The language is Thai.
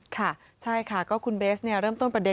ค่ะใช่ค่ะก็คุณเบสเริ่มต้นประเด็